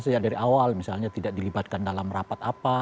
sejak dari awal misalnya tidak dilibatkan dalam rapat apa